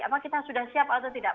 apakah kita sudah siap atau tidak